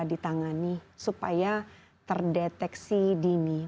ditangani supaya terdeteksi dini